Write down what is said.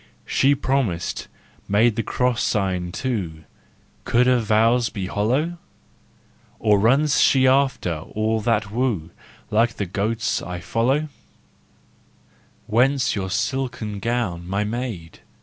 She promised, made the cross sign, too, Could her vows be hollow ? Or runs she after all that woo, Like the goats I follow ? 364 THE JOYFUL WISDOM Whence your silken gown, my maid